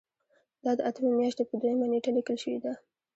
دا د اتمې میاشتې په دویمه نیټه لیکل شوې ده.